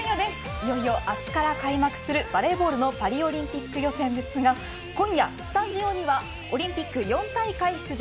いよいよ明日から開幕するバレーボールのパリオリンピック予選ですが今夜、スタジオにはオリンピック４大会出場